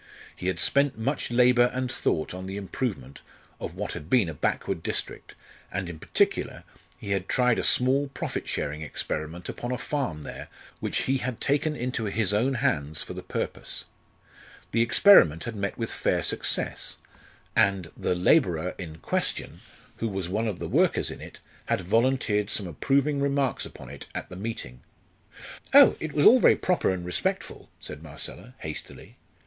He had spent much labour and thought on the improvement of what had been a backward district, and in particular he had tried a small profit sharing experiment upon a farm there which he had taken into his own hands for the purpose. The experiment had met with fair success, and the labourer in question, who was one of the workers in it, had volunteered some approving remarks upon it at the meeting. "Oh! it was very proper and respectful!" said Marcella, hastily.